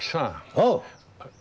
おう！